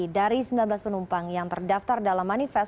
dari sembilan belas penumpang yang terdaftar dalam manifest